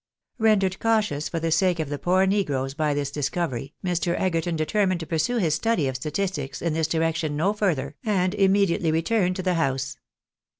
Rendered cautious for the sake of the poor negroes by this discovery, Mr. Egerton determined to pursue his study of statistics in this direction no further, and immediately returned to the house.